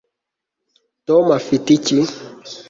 tom afite iki